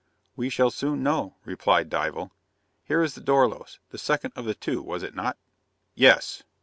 "We shall soon know," replied Dival. "Here is the Dorlos; the second of the two, was it not?" "Yes."